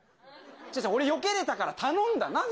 俺、よけれたから頼んだの。